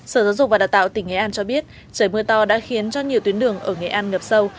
sở giáo dục và đào tạo tỉnh nghệ an cho biết trời mưa to đã khiến cho nhiều tuyến đường ở nghệ an ngập sâu